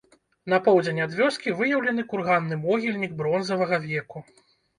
На поўдзень ад вёскі выяўлены курганны могільнік бронзавага веку.